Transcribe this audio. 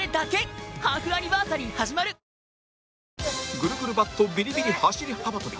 ぐるぐるバットビリビリ走り幅跳び